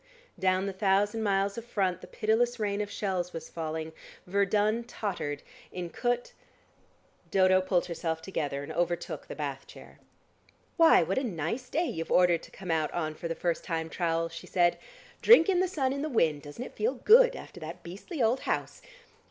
Down the thousand miles of front the pitiless rain of shells was falling, Verdun tottered, in Kut.... Dodo pulled herself together, and overtook the bath chair. "Why, what a nice day you've ordered to come out on for the first time, Trowle," she said. "Drink in the sun and the wind: doesn't it feel good after that beastly old house?